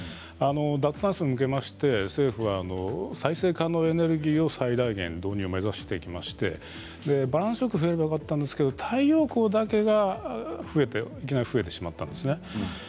脱炭素に向けまして政府が再生可能エネルギーを最大限導入を目指してきましてバランスよく増えればよかったんですけれども太陽光だけがいきなり増えてしまったんです。